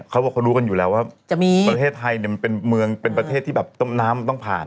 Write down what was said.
มันรู้กันอยู่แล้วว่ามีประเทศไทยเป็นเมืองเป็นประเทศที่น้ำมันต้องผ่าน